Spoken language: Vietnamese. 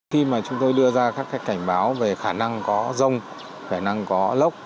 khi mà chúng tôi đưa ra các cảnh báo về khả năng có rông khả năng có lốc